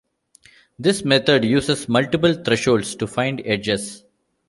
This method uses multiple thresholds to find edges.